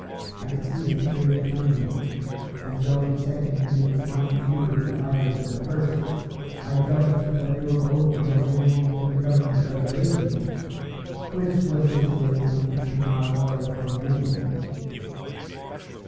I could see this very plainly; and though the second canoe was much nearer the island than the first, I judged that they were both on their way home to the Government Reservation, which was situated some fifteen miles away upon the mainland.